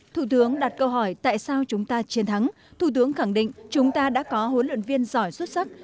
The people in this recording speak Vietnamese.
thủ tướng đặt câu hỏi tại sao chúng ta chiến thắng thủ tướng khẳng định chúng ta đã có huấn luyện viên giỏi xuất sắc